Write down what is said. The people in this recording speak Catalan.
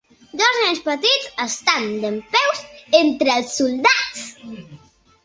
Dos nens petits estan dempeus entre els soldats.